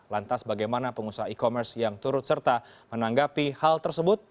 lantas bagaimana pengusaha e commerce yang turut serta menanggapi hal tersebut